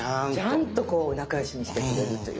ちゃんとこう仲良しにしてくれるという。